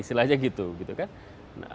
kita harus menghentikan itu